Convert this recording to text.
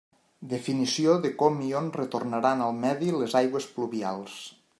Definició de com i on retornaran al medi les aigües pluvials.